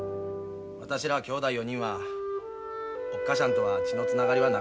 私らきょうだい４人はおっ母しゃんとは血のつながりはなかとです。